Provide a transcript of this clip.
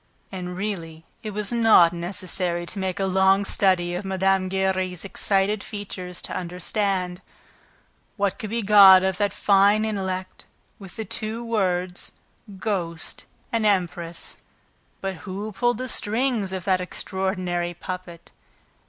And really it was not necessary to make a long study of Mme. Giry's excited features to understand what could be got out of that fine intellect with the two words "ghost" and "empress." But who pulled the strings of that extraordinary puppet?